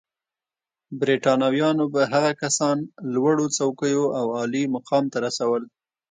برېټانویانو به هغه کسان لوړو څوکیو او عالي مقام ته رسول.